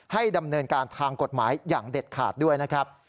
ให้ดำเนินการทางกฎหมายอย่างเด็ดขาดด้วยนะครับ